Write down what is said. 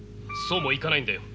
そうもいかないんだよ。